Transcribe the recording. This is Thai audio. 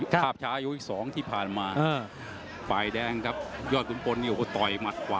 ถ้าตีนซ้ายมาแบบนี้ยอกขุมปนเหนื่อยแล้ว